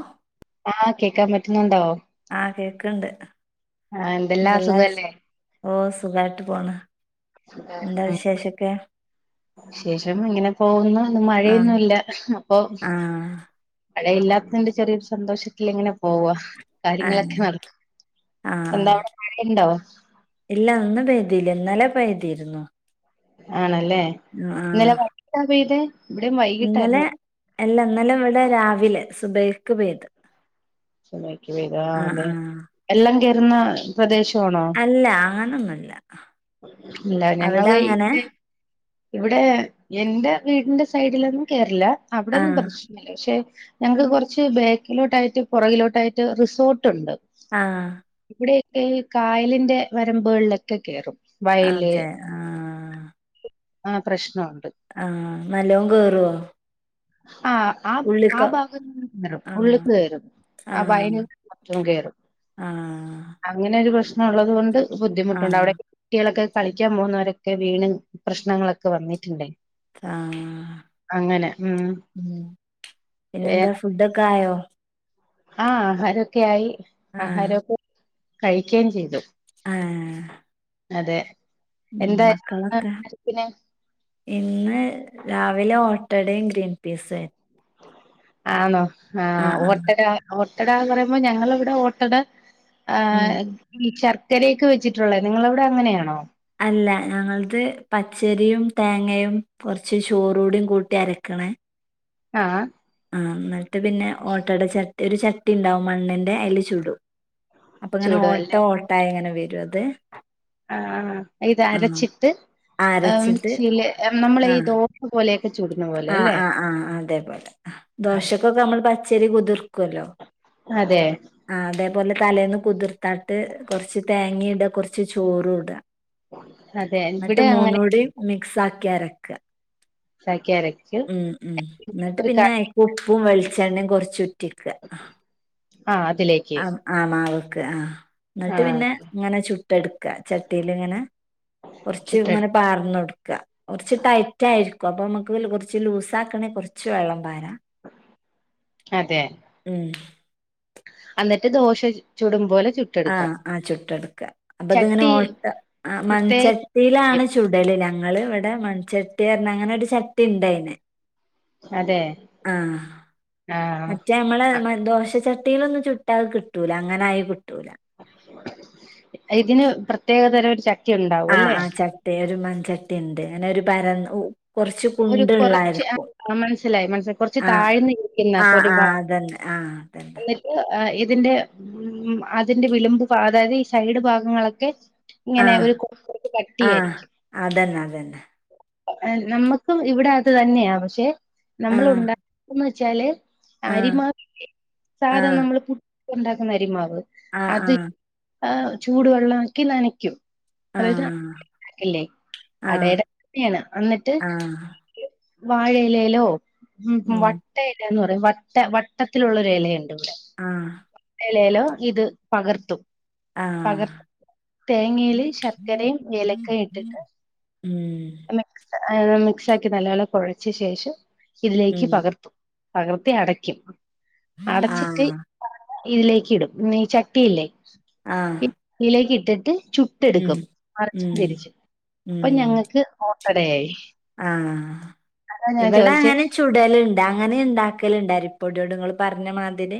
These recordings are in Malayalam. ആഹ് ആഹ് കേക്കാൻ പറ്റുന്നുണ്ടോ ആഹ് കേക്ക്ണ്ട്. ആഹ് എന്തെല്ലാ? സുഖല്ലേ ഓഹ് സുഖായിട്ട് പോണ്. എന്താ ഉം വിശേഷൊക്കെ? വിശേഷം ഇങ്ങനെ പോകുന്നു. ഇന്ന് ആഹ് മഴയൊന്നുല്ല അപ്പോ ആഹ് മഴയില്ലാത്തതിന്റെ ചെറിയൊരു സന്തോഷത്തില് ഇങ്ങനെ പോവാ കാര്യങ്ങളൊക്കെ ആഹ് നടക്കും എന്താ ആഹ് അവടെ മഴേണ്ടോ? ഇല്ല ഇന്ന് പെയ്തില്ല. ഇന്നലെ പെയ്തിരുന്നു ആണല്ലേ ഉം ആഹ് ഇന്നലെ വൈകിട്ടാ പെയ്തെ. ഇവടേം ഇന്നലെ വൈകീട്ടായിരുന്നു അല്ല ഇന്നലെ ഇവടെ രാവിലെ സുബഹിയ്ക്ക് പെയ്ത് സുബഹിക്ക് പെയ്ത്. ആഹ് അതെ. വെള്ളം കേറുന്ന പ്രദേശമാണോ? അല്ല ആങ്ങനോന്നുല്ല ഇല്ല ഞങ്ങള് ഇവ്ടെ ഇവ്ടെ എന്റെ വീടിന്റെ സൈഡിലൊന്നും കേറില്ല. അവിടെന്നും ആഹ് പ്രശ് പക്ഷേ ഞങ്ങക്ക് കൊറച്ച് ബാക്കിലോട്ടായിട്ട് പുറകിലോട്ടായിട്ട് റിസോട്ടുണ്ട് ആഹ് ഇവിടെയോക്കെ ഈ കായലിന്റെ വരമ്പുകളിലൊക്കെ കേറും വയല് അതെ ആഹ് ആഹ് പ്രശ്നോണ്ട് ആഹ് നല്ലോം കേറ്വോ ആഹ് ആഹ് ആഹ് ഭാഗത്ത്ന്ന്ണ്ടല്ലോ ആഹ് ഉള്ള്ക്ക് കേറും. ആഹ് വയല് മൊത്തം കേറും. ആഹ് അങ്ങനെ ഒരു പ്രശ്നള്ളത് കൊണ്ട് ബുദ്ധിമുട്ടുണ്ട്. ആഹ് അവടെ കുട്ട്യോളൊക്കെ കളിക്കാൻ പോകുന്നവരൊക്കെ വീണ് പ്രശ്നങ്ങളൊക്കെ വന്നിട്ട്ണ്ടേ ആഹ്. ഉം ഉം. പിന്നെ എന്താ? ഫുഡൊക്കെ ആയോ ആഹ് ആഹാരൊക്കെ ആയി. ആഹ് ആഹാരമൊക്കെ കഴിക്കയും ചെയ്തു. ആഹ് അതെ ഉം എന്തായിരുന്നു ന്ന് മക്കളൊക്കെ ആഹാരത്തിന് ഇന്ന് രാവിലെ ഓട്ടടേം ഗ്രീൻ പീസും ആയിരുന്നു. ആണോ? ആഹ് ഓട്ടടാ ഓട്ടടാ പറയുമ്പോ ഞങ്ങളിവിടെ ഓട്ടടാ ഉം ആഹ് ഈ ശർക്കരയൊക്കെ വെച്ചിട്ടുള്ളേ നിങ്ങളവിടെ അങ്ങനെയാണോ? അല്ല ഞങ്ങൾത് പച്ചരിയും തേങ്ങയും കൊറച്ച് ചോറൂടിം കൂട്ടി അരക്കണ ആഹ് ആഹ് എന്നിട്ട് പിന്നെ ഓട്ടട ചട്ടി ഒരു ചട്ടിണ്ടാവും മണ്ണിന്റെ അയില് ചുടും. അപ്പ ഇങ്ങനെ ഓട്ട ചൂടുവല്ലേ ഓട്ട അയി ഇങ്ങനെ വരും അത് ആഹ് ആഹ് ഇത് ആഹ് അരച്ചിട്ട് എഹേം അരച്ചിട്ട് മിക്സിയില് നമ്മള ഈ ആഹ് ദോശ പോലെയൊക്കെ ചുടുന്ന പോലെ ആഹ് അല്ലേ? ആഹ് ആഹ് അതേപോലെ ദോശക്കൊക്കെ അമ്മള് പച്ചരി കുതിർക്കുവല്ലോ അതെ ആഹ് അതേപോലെ തലേന്ന് കുതിർത്താട്ട് കൊറച്ച് തേങ്ങീടാ കൊറച്ച് ചോറും ഇടാ അതെ ഇന്നിട്ട് ഇവിടെ അങ്ങനെ മൂന്നൂടി മിക്സ് ആക്കി അരക്കാ ഉണ്ടാക്കി അരക്കും ഉം ഉം ഇന്നട്ട് ഒരു പിന്നെ കറി ഉപ്പും വെളിച്ചെണ്ണയും കുറച്ചുറ്റിക്ക ആഹ് അതിലേക്ക് ആഹ് ആഹ് മാവ്ക്ക്. ആഹ് ഇന്നട്ട് ആഹ് പിന്നെ ഇങ്ങനെ ചുട്ട് എടുക്കാ. ചട്ടില് ഇങ്ങനെ കുറച്ച് ചുട്ടെടു ഇങ്ങനെ പാർന്നൊടുക്ക കൊറച്ച് ടൈറ്റായിരിക്കും അപ്പൊ നമുക്ക് കുറച്ച് ലൂസ് ആക്കണെങ്കി കൊറച്ച് വെള്ളം പാര അതെ മ്മ് അന്നിട്ട് ദോശ ചുടും പോലെ ചു- ആഹ് ആ ചുട്ട എടുക്ക അപ്പ അത്ങ്ങനെ ചട്ടി ഓട്ട ആ മണ്ച്ച- പ്രത്യേക ട്ടിയിലാണ് ചുടല് ഞങ്ങൾ ഇവിടെ മൺചട്ടി പറഞ്ഞ അങ്ങനെ ഒരു ചട്ടി ഉണ്ടയിന് അതെ ആഹ് ആഹ് മറ്റേ നമ്മളെ ദോശചട്ടിയിലൊന്നും ചുട്ടാ അത് കിട്ടൂല അങ്ങനെ ആയ കിട്ടൂല ഇതിന് പ്രത്യേക തര ഒരു ച- ആഹ് ആ ചട്ടി ഒരു മൺചട്ടി ഇണ്ട് ഇങ്ങനെ ഒരു പര- ഒരു കൊറച്ച് ആ മനസ്സിലായി മനസ്സ കൊറച്ച് ആഹ് താഴ്ന്ന് ഇരിക്ക്ന്ന ആഹ് ഒരു ആഹ് ഭാഗം അതന്നെ ആഹ് അതന്നെ എന്നി- ഇതിന്റെ ഉം അതിന്റെ വിളമ്പ് അതായത് ഈ സൈഡ് ഭാഗങ്ങളൊക്കെ ഇങ്ങനെ ആഹ് ഒരു കുറച്ച് ആഹ് കട്ടിയായിരിക്കും അതന്നെ അതന്നെ നമ്മക്കും ഇവിടെ അത് തന്നെയാ പക്ഷെ നമ്മൾ ആഹ് ഉണ്ടാക്കന്ന് വെച്ചാല് ആഹ് അരിമാവ് സാധ ആഹ് നമ്മള് പുട്ട് ഉണ്ടാക്കുന്ന അരിമാവ് അത് ആഹ് ആ ചൂടുവെള്ളമാക്കി നനയ്ക്കും അതായത് ആഹ് ആഹ് ആഹ് [unintelligible] അന്നിട്ട് ആഹ് വാഴയിലേലോ ഉം വട്ട ഇലന്ന് പറയും വട്ട വട്ടത്തിലുള്ളൊരു എലയ്ണ്ട് ആഹ് എലേല് ഇത് പകർത്തും ആഹ് പകർ തേങ്ങേല് ശർക്കരയും ഏലക്കയും ഇട്ടിട്ട് ഉം മിക്സ് മിക്സ് ആക്കി നല്ലപോലേ കൊഴച്ച ശേഷം ഇതിലേക്ക് പകർത്തും പകർത്തി അടയ്ക്കും അടച്ചിട്ട് ഇതിലേക്ക് ഇടും ചട്ടിയില്ലേ ആഹ് ഇതിലേക്ക് ഇട്ടിട്ട് ചുട്ടെടുക്കും മറച്ചും തിരിച്ചും അപ്പൊ ഞങ്ങക്ക് ഓക്കടയായി ആഹ് ഇവിടെ അങ്ങനെ ചുടല്ണ്ട് അങ്ങനെ ഇണ്ടാക്കല്ണ്ട് അരി പോടീയോണ്ട് ഇങ്ങള് പറഞ്ഞ മാതിരി.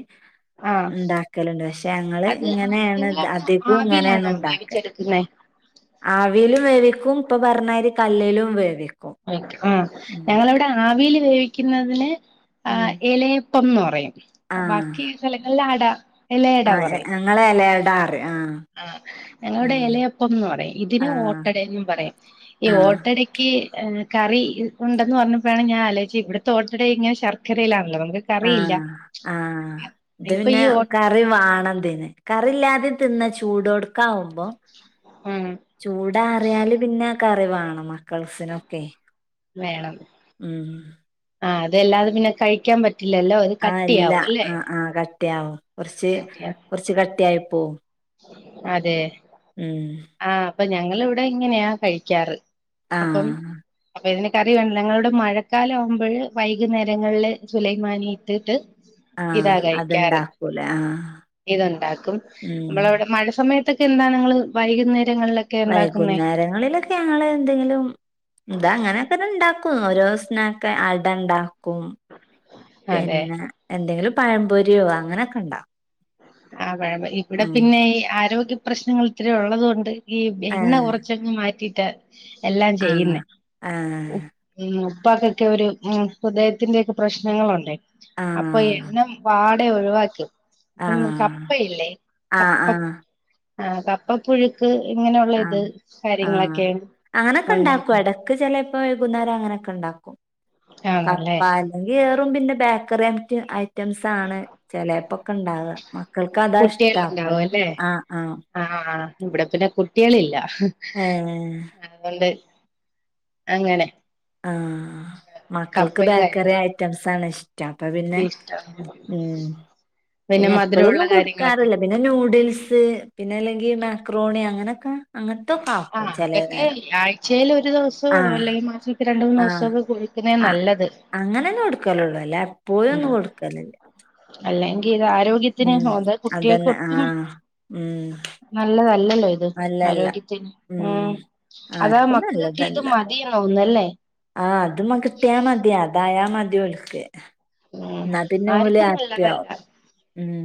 ആഹ് ഇണ്ടാക്കല്ണ്ട് പക്ഷെ ഞങ്ങള് അത് ഇങ്ങനെണ് അധികവും ഇങ്ങനെണ് ഇണ്ടാക്കല് പിന്നെ ആവിയിലും വേവിക്കും ഇപ്പൊ പറഞ്ഞാരി കല്ലിലും വേവിക്കും ആ ഉം. ഞങ്ങളവിടെ ആവിയില് വേവിക്കുന്നതിന് ആ ഉം. എലെ പ്പം ന്നു പറയും ആ! ബാക്കി സ്ഥലങ്ങളില അട എലയട ആ ഞങ്ങള എലടാന്ന്അറയും ആ ആ ഞങ്ങളടെ ഉം. എലയപ്പംന്ന് പറയും ആ. ഇതിന് ഓട്ടടെന്ന് പറയും ഈ ആ. ഓട്ടട കറി ഉണ്ടന്ന് പറഞ്ഞപ്പോഴാണ് ഞാൻ ആലോയിച്ചെ ഇവിടത്തെ ഓട്ടട ഇങ്ങനെ ശർക്കരയിലാണല്ലോ നമുക്ക് കറിയില്ല ആഹ് ആഹ് ഇത് ഇപ്പൊ ഈ പിന്നെ ഓ കറി വാണം ഇതിന് കറില്ലാതെ തിന്ന ചൂടൊട്ക്കാവുമ്പോ ഉം ചൂടാ ആറിയാല് പിന്നെക്കറി വാണം കൾസിനൊക്കെ വേണം ഉം ആഹ് അതെല്ലാതും പിന്നെ കഴിക്കാൻ പറ്റില്ലല്ലോ അത് ആഹ് ഇല്ല കട്ടിയാവുംല്ലേ ആഹ് ആഹ് കട്ട്യാവും കൊർച്ച് കൊർച്ച് കട്ട്യായി പോവും. അതെ. ഉം. ആഹ് അപ്പൊ ഞങ്ങള് വ്ടെ ഇങ്ങനേയാ കഴിക്കാറ് അപ്പം ആഹ് അപ്പൊ ഇതിനേ കറി വേണം ഞങ്ങളവടേ മഴക്കാലം ആവുംമ്പഴ് വൈകുന്നേരങ്ങളില് സുലൈമാനി ഇട്ടിട്ട് ആഹ് അത്ണ്ടാക്കുലേ ആഹ്. ഇത്ണ്ടാക്കും ഉം ന്നമ്മളവടെ മഴ സമയത്തൊക്കെ എന്താണ് ങ്ങള് വൈകുന്നേരങ്ങൾലൊ വൈകുന്നേരങ്ങളിലൊക്കെ ഞങ്ങള് ന്തെങ്കിലും ഇതാ അങ്ങനെക്കെന്നെ ണ്ടാക്കും ഓരോ സ്നാക്കെ അടണ്ടാക്കും. അതെ പിന്നെ എന്തെങ്കിലും പഴംപൊരിയോ അങ്ങനെക്കണ്ടാ ആഹ് പയംമ്പോരി ഇവിടെ പിന്നെ ഈ ആരോഗ്യ പ്രശ്നങ്ങൾ ഇത്ര ഉള്ളത് കൊണ്ട് ഈ എണ്ണ ആഹ് കൊറച്ചങ്ങ് മാറ്റീട്ട് എല്ലാം ആഹ് ചെയ്യുന്നേ. ആഹ് ഉം ഉപ്പാക്കൊക്കേ ഒരു ഉം ഹൃദയത്തിന്റെയൊക്കെ പ്രശ്നങ്ങളുണ്ടയ്. അപ്പൊ ആഹ് എണ്ണം പാടെ ഒഴ് വാക്കി. ഇപ്പം ആഹ് കപ്പയില്ലേ ആഹ് ആഹ് കപ്പം ആഹ് കപ്പപുഴുക്ക് ഇങ്ങനൊള്ള ഇത് ആഹ് കാര്യങ്ങളൊക്കേണ് ഉണ്ടാക്ക്ആ. ക്ക് ചെലെപ്പോ വൈകുന്നേരം അങ്ങനെക്കണ്ടാക്കും ആണല്ലേ കപ്പാൽ അല്ലെങ്കിയേറും പിന്നെ ബേക്കറി അംറ്റ് ആയ് ഐറ്റംസ് ആണ് ചെലെപ്പൊക്കണ്ടാവ്ആ മക്കൾക്ക് അതാ കുട്ടികൾ ഇഷ്ടം ഉണ്ടാവും അല്ലേ ആഹ് ആഹ്. ആഹ് ഇവടെ പിന്നെ കുട്ട്യാളില്ല. ഏഹ്. അത് കൊണ്ട് അങ്ങനെ. ആഹ് മക്കൾക്ക് കപ്പയും ബേക്കറി കാര്യങ്ങളും ഐറ്റംസാണ് ഇഷ് റ്റം, അപ്പൊ പിന്നെ ഇഷ്ടമാണ് ഉം പിന്നെ മധുരമുള്ള എപ്പഴൊന്നും കാര്യങ്ങളൊക്കെ കൊടുക്കാറില്ല പിന്നെ നൂഡിൽസ് പിന്നെ അല്ലെങ്കി മാക്രോണി അങ്ങനെക്ക അങ്ങൻത്തെക്ക ആക്കും ചെലെ ന്നേരം. ച്ചേല് ഒരു ദിവസമോ അല്ലെങ്കി മാസത്തിൽ രണ്ട് ആഹ് മൂന്ന്സൊക്കെ കൊട്ക്ക്ന്നെ അ ന്നല്ലത്. അങ്ങനെന്നെ കൊടുക്കലൊള്ളൂ അല്ലേ എപ്പോഴും ഒന്നും കൊടുക്കലില്ലാ. അല്ലെങ്കി ഇത് ആരോഗ്യത്തിന് നോന്ത കുട്ട്യാൾക്ക് അതന്നെ ഒട്ടും ആഹ് ഉം ന്നല്ലതല്ലല്ലോ ഇത് അല്ലല്ല ആരോഗ്യത്തിന് ഉം അതാ ആർക്കും മക്കൾക്ക് ഇത് നല്ലതല്ല മതി ഒന്നല്ലേ ആഹ് അത് മ കിട്ടിയാ മതിയാ അതായാ മതി ഓൽക്ക്. ഉം ന്നാ പിന്നെ ഓല് ആർക്കും നല്ലതല്ല ആപ്പ്യാവും ഉം.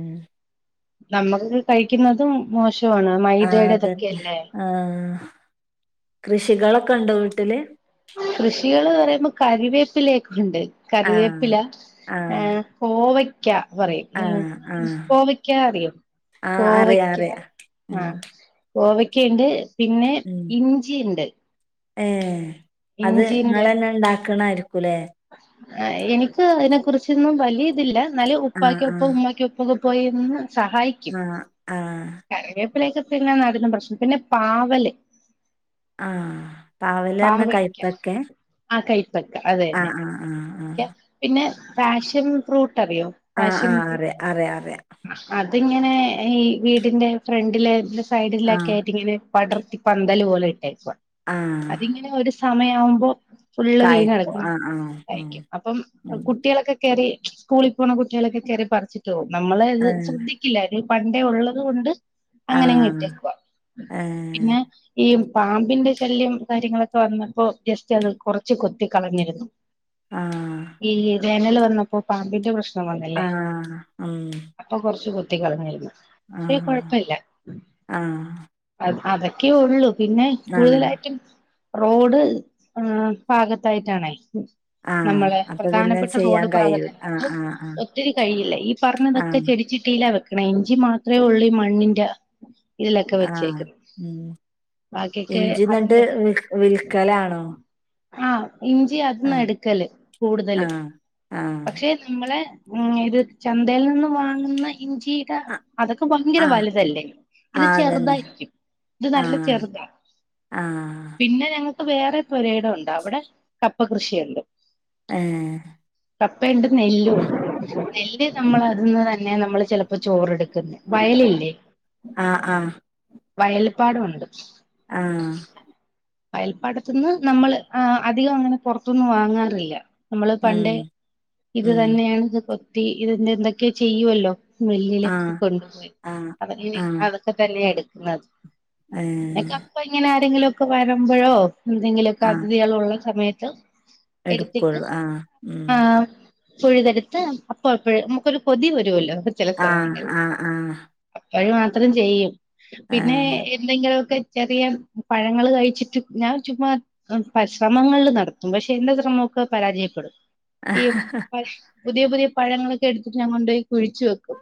ന്നമ്മക്ക് കഴിക്കുന്നതും മോശവാണ് ആഹ് മൈദയുടെ അതന്നെ ഇതൊക്കെയല്ലേ. ആഹ് കൃഷികളൊക്കണ്ടോ വീട്ടില്? കൃഷികള് പറയുമ്പോ കരിവേപ്പിലയൊക്കണ്ട് ആഹ് കറിവേപ്പില ആഹ് ഏഹ് കോവയ്ക്ക പറയും ആഹ് ഉം ആഹ് കോവയ്ക്ക അറിയോ? ആഹ് അറിയാ കോവയ്ക്കാ അറിയാ ഉം ആഹ്. കോവയ്ക്കയ്ണ്ട് പിന്നെ ഉം ഇഞ്ചിയ്ണ്ട്. ഏഹ് അത് ങ്ങളെന്നെ ണ്ടാക്ക്ണായിരിക്കുലെ? ആഹ് എനിക്ക് അതിനെ കുറിച്ചൊന്നും വലിയ ഇതില്ല ന്നാലും ആഹ് ആഹ് ഉപ്പാക്കൊപ്പം ഉമ്മക്കൊ [unintelligible] പോയിന്ന് സഹായി അ ആഹ്. കറിവേപ്പിലേക്കെ പിന്നെ നടുന്നത് പ്രശ് പിന്നെ പാവല് ആഹ് പാവല്ർഞ കൈപ്പക്കേ? ആഹ് കൈപ്പക്ക അത് തന്നെ പിന്നെ ഫാഷൻ ഫ്രൂട്ട് അറിയോ ആഹ് ആഹ് അറിയ അറിയ അറിയ അതിങ്ങനേ ഈ വീടിന്റെ ഫ്രണ്ടില് സൈഡിലൊക്കെ ആഹ് ആയിട്ട് ഇങ്ങനെ പടർത്തി പന്തല് പോലെ ഇട്ടേക്കുവാ ആഹ് അതിങ്ങനെ ഒരു സമയം ആവുമ്പൊ ഫുള്ള് വീണ് കായ്പ് കിടക്കുന്ന ആഹ് ആഹ് ഉം കായ്ക്കും അപ്പം ഉം കുട്ടികളൊക്കെ കയറി സ്കൂളി പോകുന്ന കുട്ടികളൊക്കെ കയറി പറിച്ചിട്ട് പോകും നമ്മളത് ആഹ് ശ്രദ്ധിക്കില്ലായിരുന്നു പണ്ടേ ഒള്ള തുകൊണ്ട് അങ്ങനങ്ങ് ആഹ് ഇട്ടേക്കുവാ ഏഹ് പിന്നെ ഈ പാമ്പിന്റെ ശല്യം കാര്യങ്ങളൊക്കെ വന്നപ്പോ ജസ്റ്റ് അത് കൊറച്ച് കൊത്തി കളഞ്ഞിരുന്നു ആഹ് ഈ ജനല് വന്നപ്പൊ പാമ്പിന്റെ പ്രശ് ആഹ് ഉം അപ്പൊ കൊറച്ച് കൊത്തി കളഞ്ഞിരുന്നു പക്ഷെ ആഹ് കൊഴപ്പവില്ല ആഹ് അത്‌ അതൊക്കേ ഒള്ളു പിന്നെ ആഹ് കൂടുതലായിട്ടും റോഡ് ആഹ് ഭാഗത്തായിട്ടാണേ ആഹ് നമ്മള് അപ്പൊ പിന്നെ പ്രധാനപ്പെട്ട ചെയ്യാൻ റോഡ് കഴിയൂല ഭാഗത്തന്നെ ആഹ് അപ്പം ആഹ് ഒത്തിരി കഴിയില്ല ഈ ആഹ് പറഞ്ഞതൊക്കെ ആഹ് ചെടിച്ചെട്ടിയില വെ ക്കണെ ഇഞ്ചി മാത്രേ ഉള്ളൂ ഈ മണ്ണിന്റ ഇതിലൊക്കെ ആഹ് വെച്ചേക്കുന്നെ ഉം ഇഞ്ചി എന്നട്ട് വി വിൽക്കലാണോ ആഹ് ഇഞ്ചി അതിന്നാ ആഹ് എടുക്കല് കൂടുതലും ആഹ് ആഹ് പക്ഷേ നമ്മള് ഉം ഇത് ചന്തയിൽ നിന്ന് വാങ്ങുന്ന ഇഞ്ചീട അഹ് അതൊക്കെ ഭയങ്കര വലുതല്ലേ ഇത് അതന്നെ ചെറുതായിരിക്കും ഇത് നല്ല ആഹ് ചെറുതാ ആഹ് പിന്നെ ഞങ്ങൾക്ക് വേറെ പുരയിടം ഒണ്ട് അവിടെ കപ്പ കൃഷിയെണ്ട് ഏഹ് കപ്പയെണ്ട് നെല്ലുവൊണ്ട് നെല്ല് നമ്മള് അതിന്ന് തന്നെ നമ്മള് ചെലപ്പൊ ചോറെടു ക്കുന്നു വയല ഇല്ലേ ആഹ് ആഹ് വയൽപ്പാടം ഒണ്ട് ആഹ് വയൽപ്പാടത്തിന്ന് നമ്മള് ആഹ് അധികം അങ്ങനെ പൊറത്തുന്ന് വാങ്ങാറില്ല നമ്മള് പണ്ടെ ഉം ഇത് ഉം തന്നെയാണ് ഇത് കൊത്തി ഇതിൻ്റെ എന്തൊക്കെയോ ചെയ്യുവല്ലൊ മില്ലില് ഒക്കെ ആഹ് കൊണ്ടുപോയി ആഹ് ആഹ് [unintelligible] അതൊക്കെ തന്നെയ എടുക്കുന്നത് അ ഏഹ് കപ്പ ഇങ്ങനെ ആരെങ്കിലുവൊക്ക വരുമ്പഴോ എന്തെങ്കിലുമൊക്കെ ആഹ് അതിഥികളൊള്ള സമയത്ത് എടുത്തിട്ട് എടുക്കുള്ളൂ ആഹ് ഉം ആഹ് പിഴുതെടുത്ത് അപ്പ അപ്പഴ് നമുക്കൊരു കൊതി വരുവല്ലൊ ചെല ആഹ് സമയങ്ങളിൽ ആഹ് അപ്പഴ് മാത്രം ചെയ്യും പിന്നേ ആഹ് എന്തെങ്കിലുവൊക്കെ ചെറിയ പഴങ്ങള് കഴിച്ചിട്ട് ഞാൻ ചുമ്മാ പരിശ്രമങ്ങളില് നടത്തും. പക്ഷെ എന്റെ ശ്രമോക്കെ പരാജയപ്പെടും. ഈ ആഹ് പ പുതിയ പുതിയ പഴങ്ങളൊക്കെ എടുത്തിട്ട് ഞാൻ കൊണ്ടോയി കുഴിച്ചു വെക്കും.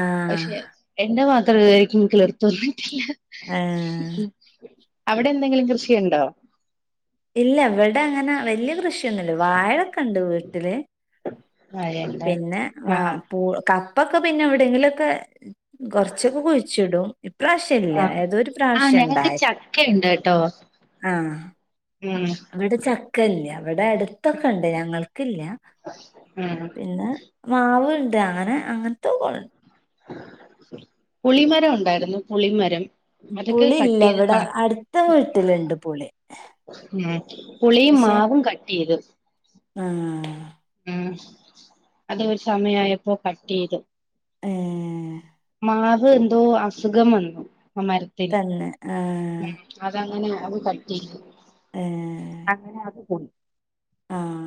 ആഹ് പക്ഷെ എന്റെ മാത്രം ഇതുവരേക്കും കിളിർ തൊറന്നിട്ടില്ല. ആഹ് അവടെ എന്തെങ്കിലും കൃഷിയൊണ്ടോ? ഇല്ല ഇവടെ അങ്ങനെ വെല്ല്യ കൃഷി യൊന്നുല്ല. വാഴക്കെണ്ട് വീട്ട്ല്. മഴയുണ്ട് പിന്നെ അഹ് ആഹ് പൂ ക പ്പക്കെ പിന്നെ എവ്ടെങ്കിലൊക്കെ കൊർച്ചൊക്കെ കുയ്ച്ചിടും. ഇപ്രാവശ്യ ല്ല ഏതോരു പ്രാവശ്യണ്ടായിര് ക്കെണ്ട് ട്ടോ. ആഹ് ഇവ്ടെ ചക്കല്യാ. ഇവടെ അട്ത്തെക്കെ ണ്ട് ഞങ്ങൾക്കില്ല. ഉം പിന്നെ മാവ്ണ്ട്. അങ്ങനെ അങ്ങൻത്തെക്കൊ പുളിമരം ഒണ്ടായിര്ന്നു. പുളിമരം. അതൊക്കെ കട്ട് പുളില്ല ചെയ്ത് വടെ കളഞ്ഞു അട്ത്ത വീട്ട്‌ല്ണ്ട് പുളി. ഉം പുളിം പക്ഷെ മാവും കട്ടെയ്ത്. ആഹ് ഉം അതൊരു സമയായപ്പോ കട്ടെയ്തു. ഏഹ് മാവ് എന്തോ അസുഖം വന്നു. ആ മര തന്നെ ആഹ് അതങ്ങനെ അത് കട്ടെയ്തു. ഏഹ് അങ്ങനെ അത് പോയി. ആഹ്